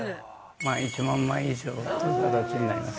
１万枚以上ある形になります。